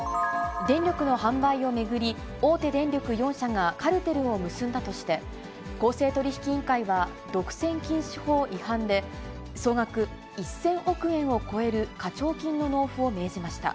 電力の販売を巡り、大手電力４社がカルテルを結んだとして、公正取引委員会は独占禁止法違反で、総額１０００億円を超える課徴金の納付を命じました。